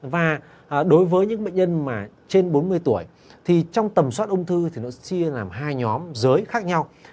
và đối với những bệnh nhân mà trên bốn mươi tuổi thì trong tầm soát ung thư thì nó chia làm hai nhóm giới khác nhau